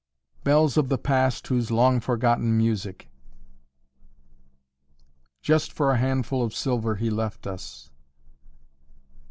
"Bells of the past whose long forgotten music." "Just for a handful of silver he left us."